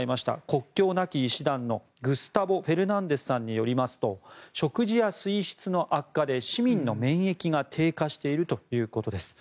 国境なき医師団のグスタボ・フェルナンデスさんによりますと食事や水質の悪化で市民の免疫が低下しているということです。